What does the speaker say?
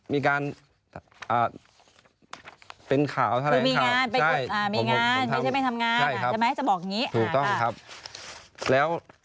มีการเป็นข่าว